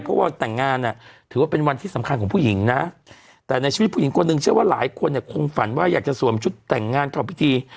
เพราะว่าแต่งงานถือว่าเป็นวันที่สำคัญของผู้หญิงนะแต่ในชีวิตผู้หญิงคนหนึ่งเชื่อว่าหลายคนเนี่ยคงฝันว่าอยากจะสวมชุดแต่งงานทำพิธี